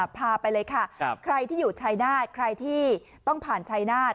พาไปเลยค่ะใครที่อยู่ชายนาฏใครที่ต้องผ่านชายนาฏ